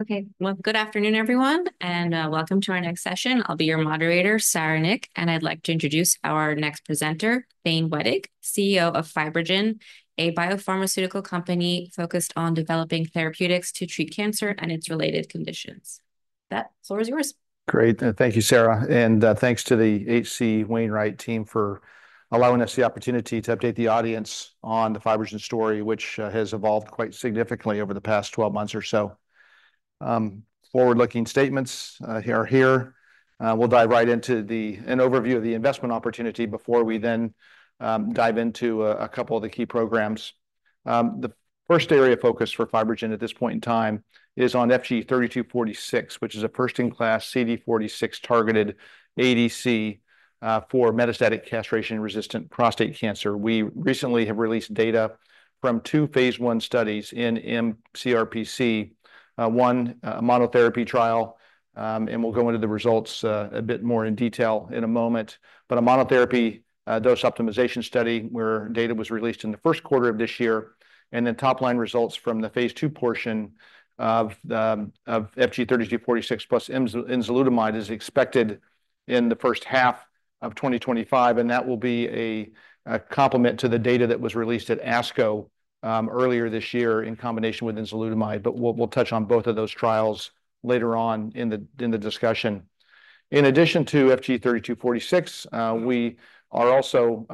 Okay, well, good afternoon, everyone, and welcome to our next session. I'll be your moderator, Sarah Nick, and I'd like to introduce our next presenter, Thane Wettig, CEO of FibroGen, a biopharmaceutical company focused on developing therapeutics to treat cancer and its related conditions. The floor is yours. Great. Thank you, Sarah, and thanks to the H.C. Wainwright team for allowing us the opportunity to update the audience on the FibroGen story, which has evolved quite significantly over the past 12 months or so. Forward-looking statements are here. We'll dive right into an overview of the investment opportunity before we then dive into a couple of the key programs. The first area of focus for FibroGen at this point in time is on FG-3246, which is a first-in-class CD46-targeted ADC for metastatic castration-resistant prostate cancer. We recently have released data from two phase I studies in mCRPC, one monotherapy trial, and we'll go into the results a bit more in detail in a moment. but a monotherapy dose optimization study, where data was released in the Q1 of this year, and then top-line results from the phase II portion of FG-3246 plus enzalutamide is expected in the H1 of 2025, and that will be a complement to the data that was released at ASCO earlier this year in combination with enzalutamide. but we'll touch on both of those trials later on in the discussion. In addition to FG-3246, we are also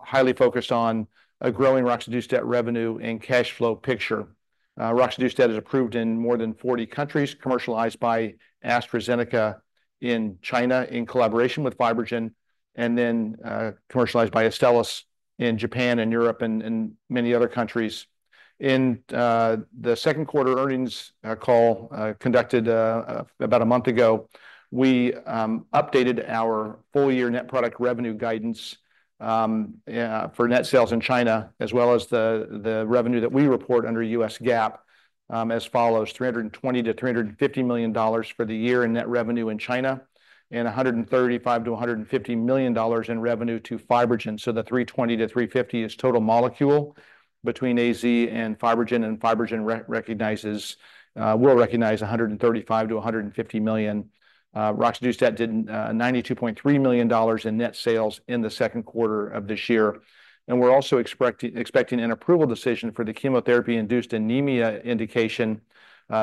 highly focused on a growing roxadustat revenue and cash flow picture. roxadustat is approved in more than 40 countries, commercialized by AstraZeneca in China in collaboration with FibroGen, and then commercialized by Astellas in Japan and Europe and many other countries. In the Q2 earnings call conducted about a month ago, we updated our full-year net product revenue guidance for net sales in China, as well as the revenue that we report under U.S. GAAP, as follows: $320-$350 million for the year in net revenue in China, and $135-$150 million in revenue to FibroGen. So the $320-$350 is total molecule between AZ and FibroGen, and FibroGen recognizes will recognize $135-$150 million. roxadustat did $92.3 million in net sales in the Q2 of this year. We're also expecting an approval decision for the chemotherapy-induced anemia indication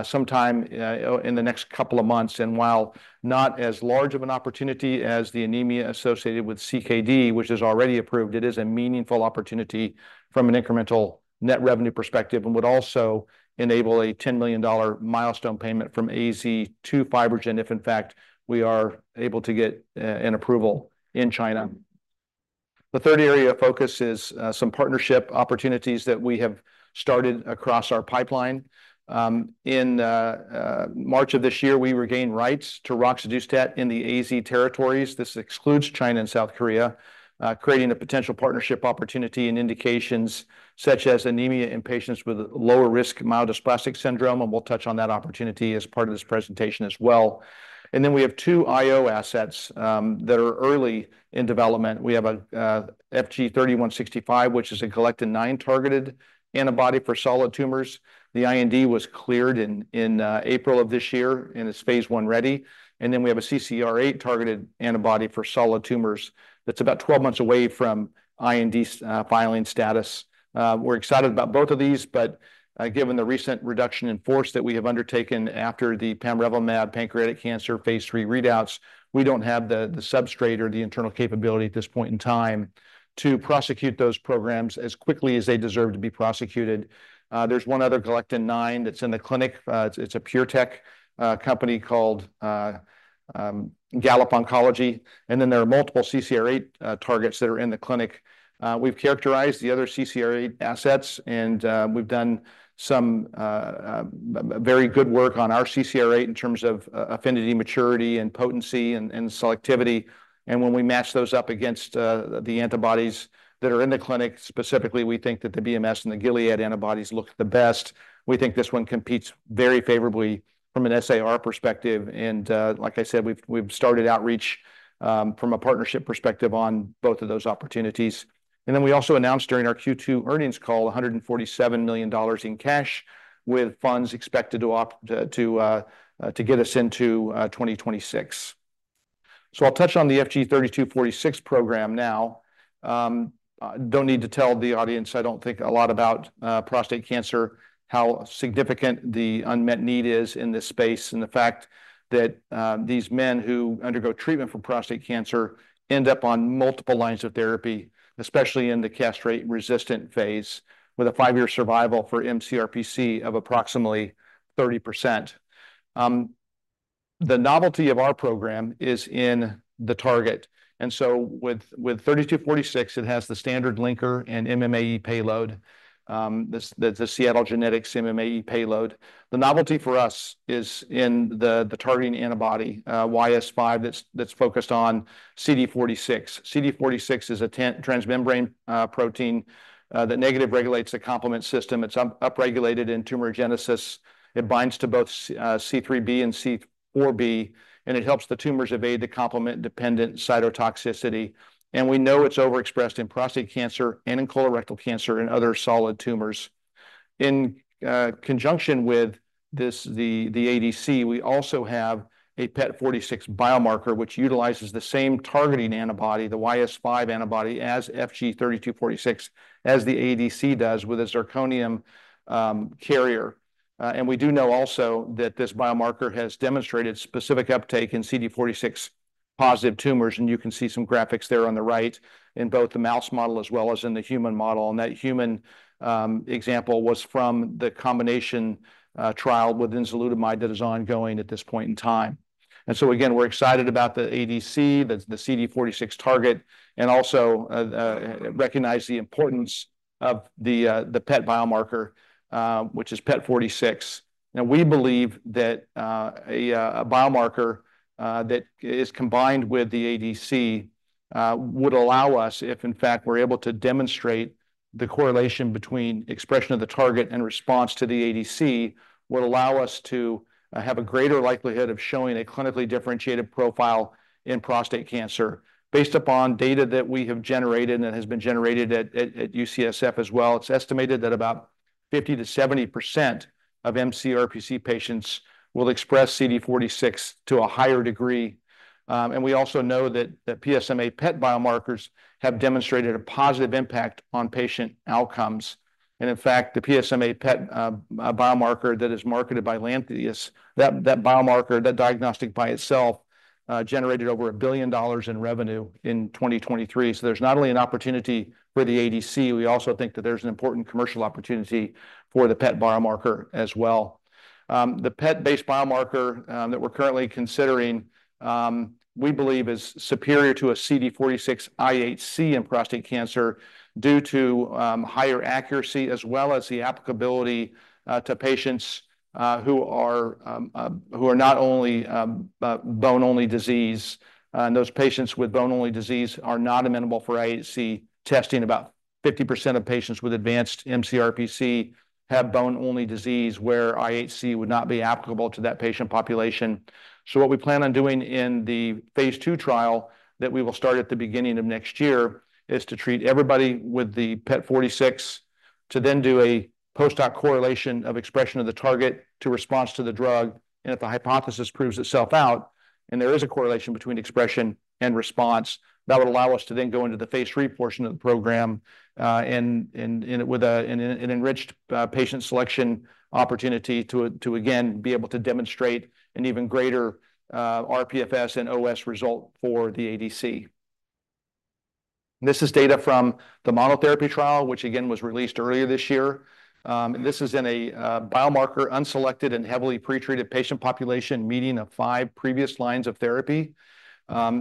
sometime in the next couple of months. While not as large of an opportunity as the anemia associated with CKD, which is already approved, it is a meaningful opportunity from an incremental net revenue perspective and would also enable a $10 million milestone payment from AZ to FibroGen if, in fact, we are able to get an approval in China. The third area of focus is some partnership opportunities that we have started across our pipeline. In March of this year, we regained rights to roxadustat in the AZ territories. This excludes China and South Korea, creating a potential partnership opportunity in indications such as anemia in patients with lower risk myelodysplastic syndrome, and we'll touch on that opportunity as part of this presentation as well. And then we have two IO assets that are early in development. We have a FG-3165, which is a galectin-9-targeted antibody for solid tumors. The IND was cleared in April of this year, and it's phase I ready. And then we have a CCR8-targeted antibody for solid tumors that's about 12 months away from IND filing status. We're excited about both of these, but given the recent reduction in force that we have undertaken after the pembrolizumab pancreatic cancer phase III readouts, we don't have the substrate or the internal capability at this point in time to prosecute those programs as quickly as they deserve to be prosecuted. There's one other galectin-9 that's in the clinic. It's a PureTech company called Gallop Oncology, and then there are multiple CCR8 targets that are in the clinic. We've characterized the other CCR8 assets, and we've done some very good work on our CCR8 in terms of affinity, maturity, and potency, and selectivity, and when we match those up against the antibodies that are in the clinic, specifically, we think that the BMS and the Gilead antibodies look the best. We think this one competes very favorably from an SAR perspective, and, like I said, we've started outreach from a partnership perspective on both of those opportunities. And then we also announced during our Q2 earnings call, $147 million in cash, with funds expected to get us into 2026, so I'll touch on the FG-3246 program now. Don't need to tell the audience, I don't think, a lot about prostate cancer, how significant the unmet need is in this space, and the fact that these men who undergo treatment for prostate cancer end up on multiple lines of therapy, especially in the castrate-resistant phase, with a five-year survival for mCRPC of approximately 30%. The novelty of our program is in the target. And so with 3246, it has the standard linker and MMAE payload, this, the Seattle Genetics MMAE payload. The novelty for us is in the targeting antibody, YS5, that's focused on CD46. CD46 is a ten-transmembrane protein that negatively regulates the complement system. It's upregulated in tumorigenesis. It binds to both C3b and C4b, and it helps the tumors evade the complement-dependent cytotoxicity. And we know it's overexpressed in prostate cancer and in colorectal cancer and other solid tumors. In conjunction with this, the ADC, we also have a PET46 biomarker, which utilizes the same targeting antibody, the YS5 antibody, as FG-3246, as the ADC does with a zirconium carrier. And we do know also that this biomarker has demonstrated specific uptake in CD46 positive tumors, and you can see some graphics there on the right, in both the mouse model as well as in the human model. And that human example was from the combination trial with enzalutamide that is ongoing at this point in time. And so, again, we're excited about the ADC, the CD46 target, and also recognize the importance of the PET biomarker, which is PET46. Now, we believe that a biomarker that is combined with the ADC would allow us, if in fact, we're able to demonstrate the correlation between expression of the target and response to the ADC, would allow us to have a greater likelihood of showing a clinically differentiated profile in prostate cancer. Based upon data that we have generated and that has been generated at UCSF as well, it's estimated that about 50%-70% of mCRPC patients will express CD46 to a higher degree. And we also know that PSMA PET biomarkers have demonstrated a positive impact on patient outcomes. And in fact, the PSMA PET biomarker that is marketed by Lantheus, that biomarker, that diagnostic by itself generated over $1 billion in revenue in 2023. There's not only an opportunity for the ADC, we also think that there's an important commercial opportunity for the PET biomarker as well. The PET-based biomarker that we're currently considering, we believe is superior to a CD46 IHC in prostate cancer due to higher accuracy, as well as the applicability to patients who are not only bone-only disease. Those patients with bone-only disease are not amenable for IHC testing. About 50% of patients with advanced mCRPC have bone-only disease, where IHC would not be applicable to that patient population. What we plan on doing in the phase II trial, that we will start at the beginning of next year, is to treat everybody with the PET46, to then do a post-hoc correlation of expression of the target to response to the drug. If the hypothesis proves itself out, and there is a correlation between expression and response, that would allow us to then go into the phase III portion of the program, and with an enriched patient selection opportunity to again be able to demonstrate an even greater RPFS and OS result for the ADC. This is data from the monotherapy trial, which again was released earlier this year. This is in a biomarker unselected and heavily pretreated patient population, median of five previous lines of therapy.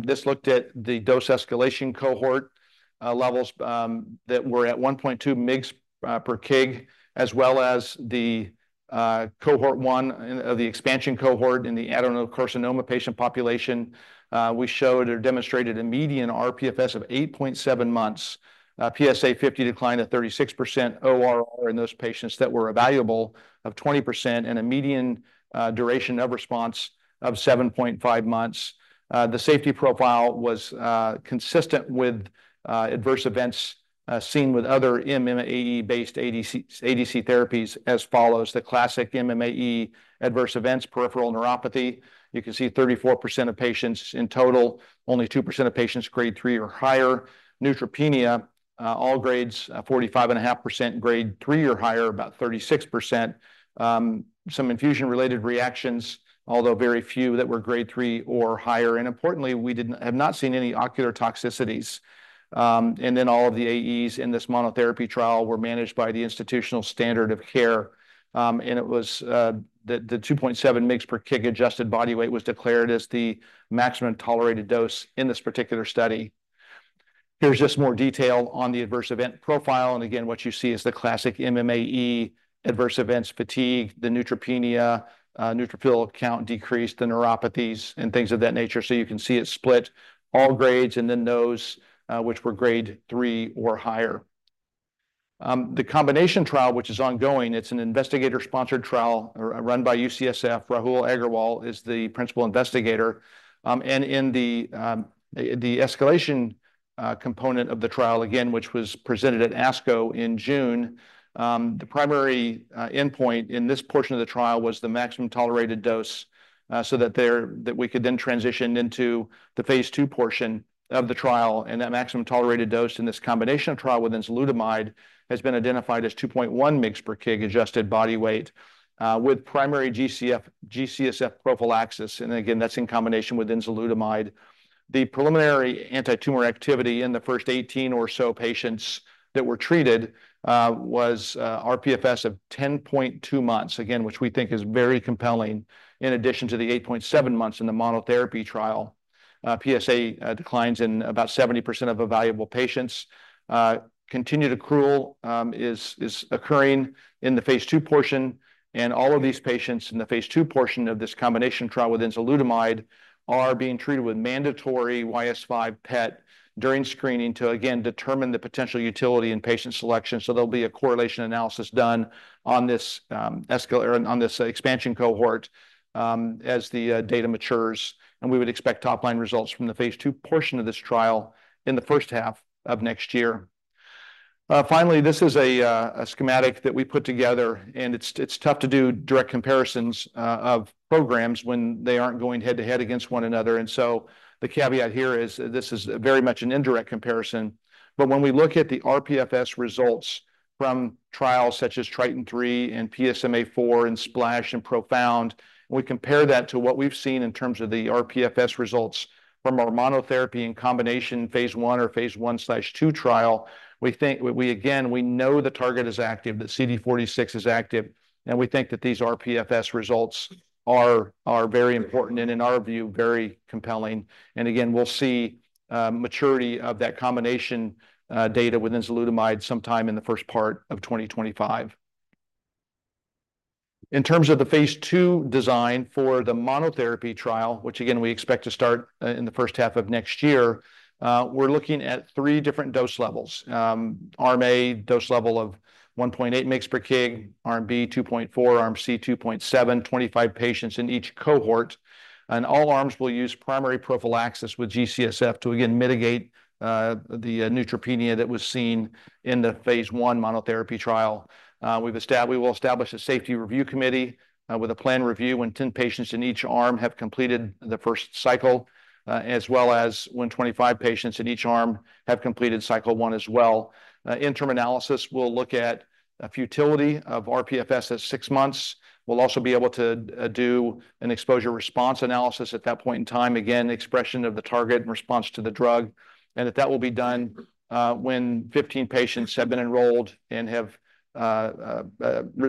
This looked at the dose escalation cohort levels that were at 1.2 mg per kg, as well as the cohort one, the expansion cohort in the adenocarcinoma patient population. We showed or demonstrated a median RPFS of 8.7 months, PSA50 decline at 36% ORR in those patients that were evaluable of 20%, and a median duration of response of 7.5 months. The safety profile was consistent with adverse events seen with other MMAE-based ADC therapies as follows: the classic MMAE adverse events, peripheral neuropathy. You can see 34% of patients in total, only 2% of patients Grade 3 or higher. Neutropenia, all grades, 45.5%, Grade 3 or higher, about 36%. Some infusion-related reactions, although very few that were Grade 3 or higher, and importantly, we have not seen any ocular toxicities. And then all of the AEs in this monotherapy trial were managed by the institutional standard of care. And it was the 2.7 mGy per kg adjusted body weight was declared as the maximum tolerated dose in this particular study. Here's just more detail on the adverse event profile, and again, what you see is the classic MMAE adverse events: fatigue, the neutropenia, neutrophil count decreased, the neuropathies, and things of that nature. So you can see it split all grades and then those, which were Grade 3 or higher. The combination trial, which is ongoing, it's an investigator-sponsored trial, run by UCSF. Rahul Aggarwal is the principal investigator. In the escalation component of the trial, again, which was presented at ASCO in June, the primary endpoint in this portion of the trial was the maximum tolerated dose, so that we could then transition into the phase II portion of the trial. That maximum tolerated dose in this combination trial with enzalutamide has been identified as 2.1 mGy per kg adjusted body weight, with G-CSF prophylaxis, and again, that's in combination with enzalutamide. The preliminary antitumor activity in the first 18 or so patients that were treated was RPFS of 10.2 months, again, which we think is very compelling, in addition to the 8.7 months in the monotherapy trial. PSA declines in about 70% of evaluable patients. Continued accrual is occurring in the phase II portion, and all of these patients in the phase II portion of this combination trial with enzalutamide are being treated with mandatory YS5 PET during screening to again determine the potential utility in patient selection. So there'll be a correlation analysis done on this or on this expansion cohort as the data matures, and we would expect top-line results from the phase II portion of this trial in the H1 of next year. Finally, this is a schematic that we put together, and it's tough to do direct comparisons of programs when they aren't going head-to-head against one another. And so the caveat here is, this is very much an indirect comparison. But when we look at the RPFS results-... from trials such as TRITON-3 and PSMAfore, and SPLASH and PROFOUND, we compare that to what we've seen in terms of the RPFS results from our monotherapy in combination phase I or phase I/II trial. We think we again, we know the target is active, that CD46 is active, and we think that these RPFS results are very important, and in our view, very compelling. Again, we'll see maturity of that combination data with enzalutamide sometime in the first part of 2025. In terms of the phase II design for the monotherapy trial, which again, we expect to start in the H1 of next year, we're looking at three different dose levels. Arm A, dose level of 1.8 mGy per kg, Arm B, 2.4, Arm C, 2.7, 25 patients in each cohort. All arms will use primary prophylaxis with G-CSF to again mitigate the neutropenia that was seen in the phase I monotherapy trial. We will establish a safety review committee with a planned review when 10 patients in each arm have completed the first cycle, as well as when 25 patients in each arm have completed cycle one as well. Interim analysis, we will look at a futility of RPFS at six months. We will also be able to do an exposure response analysis at that point in time. Again, expression of the target in response to the drug, and that will be done when 15 patients have been enrolled and have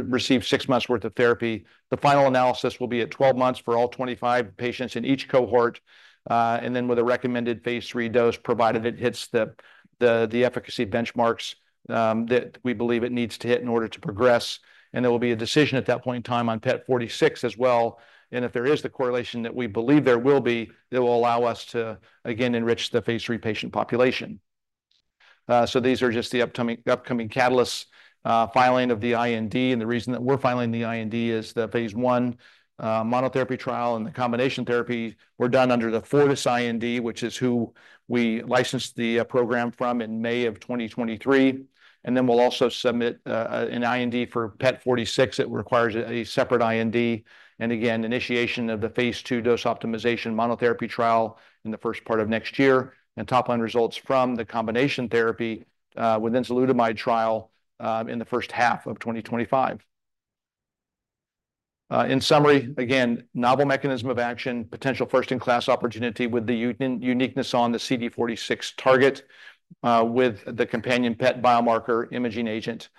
received six months' worth of therapy. The final analysis will be at 12 months for all 25 patients in each cohort, and then with a recommended phase III dose, provided it hits the efficacy benchmarks, that we believe it needs to hit in order to progress. And there will be a decision at that point in time on PET46 as well, and if there is the correlation that we believe there will be, it will allow us to, again, enrich the phase III patient population. So these are just the upcoming catalysts, filing of the IND, and the reason that we're filing the IND is the phase I monotherapy trial and the combination therapy were done under the Fortis IND, which is who we licensed the program from in May of 2023. And then we'll also submit an IND for PET46. It requires a separate IND, and again, initiation of the phase II dose optimization monotherapy trial in the first part of next year, and top-line results from the combination therapy with enzalutamide trial in the H1 of 2025. In summary, again, novel mechanism of action, potential first-in-class opportunity with the uniqueness on the CD46 target, with the companion PET biomarker imaging agent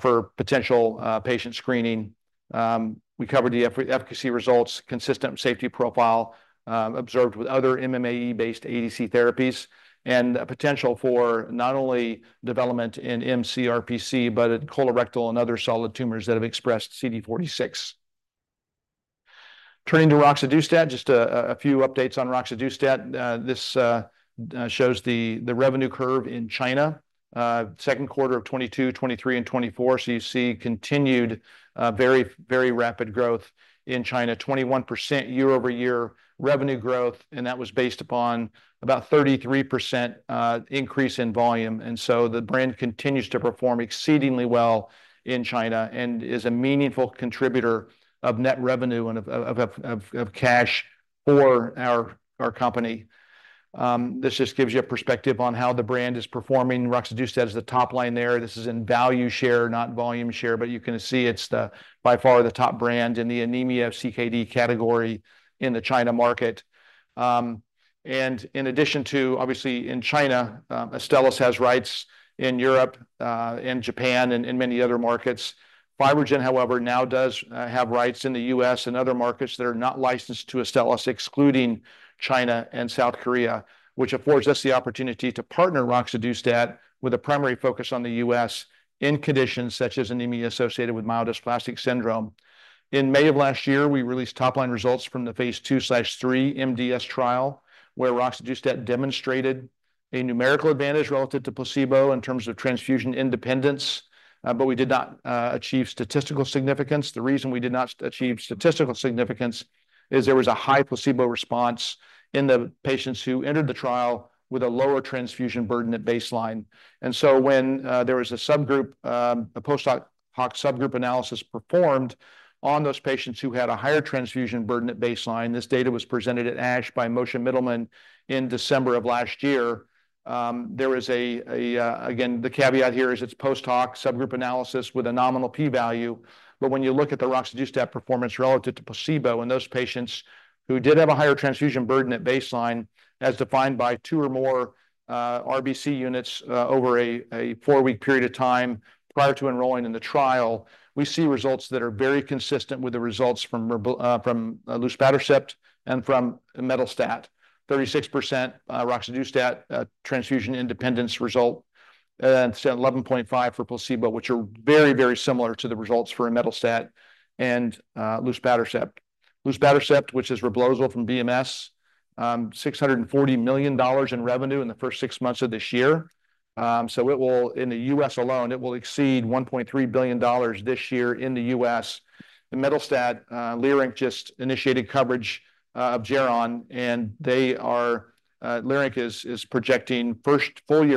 for potential patient screening. We covered the efficacy results, consistent safety profile observed with other MMAE-based ADC therapies, and a potential for not only development in mCRPC, but in colorectal and other solid tumors that have expressed CD46. Turning to roxadustat, just a few updates on roxadustat. This shows the revenue curve in China, Q2 of 2022, 2023, and 2024. So you see continued very, very rapid growth in China, 21% year-over-year revenue growth, and that was based upon about 33% increase in volume. And so the brand continues to perform exceedingly well in China and is a meaningful contributor of net revenue and of cash for our company. This just gives you a perspective on how the brand is performing. roxadustat is the top line there. This is in value share, not volume share, but you can see it's the, by far, the top brand in the anemia CKD category in the China market. And in addition to, obviously, in China, Astellas has rights in Europe, in Japan, and in many other markets. FibroGen, however, now does have rights in the U.S. and other markets that are not licensed to Astellas, excluding China and South Korea, which affords us the opportunity to partner roxadustat with a primary focus on the U.S. in conditions such as anemia associated with myelodysplastic syndrome. In May of last year, we released top-line results from the phase II/3 MDS trial, where roxadustat demonstrated a numerical advantage relative to placebo in terms of transfusion independence, but we did not achieve statistical significance. The reason we did not achieve statistical significance is there was a high placebo response in the patients who entered the trial with a lower transfusion burden at baseline. And so when there was a subgroup, a post hoc subgroup analysis performed on those patients who had a higher transfusion burden at baseline, this data was presented at ASH by Moshe Mittelman in December of last year. Again, the caveat here is it's post hoc subgroup analysis with a nominal p-value. But when you look at the roxadustat performance relative to placebo in those patients who did have a higher transfusion burden at baseline, as defined by two or more RBC units over a four-week period of time prior to enrolling in the trial, we see results that are very consistent with the results from luspatercept and from imetelstat. 36% roxadustat transfusion independence result, it's 11.5 for placebo, which are very, very similar to the results for an imetelstat and luspatercept. Luspatercept, which is Reblozyl from BMS, $640 million in revenue in the first six months of this year. So it will in the US alone, it will exceed $1.3 billion this year in the US. The imetelstat, Leerink just initiated coverage of Geron, and they are, Leerink is projecting first full year-